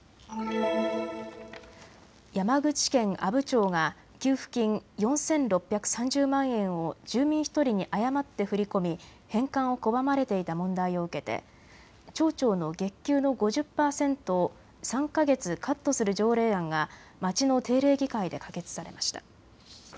山口県阿武町が給付金４６３０万円を住民１人に誤って振り込み返還を拒まれていた問題を受けて町長の月給の５０％を３か月カットする条例案が町の定例議会で可決されました。